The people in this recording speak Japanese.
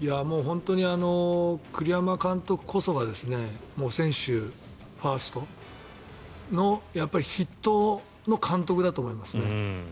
本当に栗山監督こそが選手ファーストの筆頭の監督だと思いますね。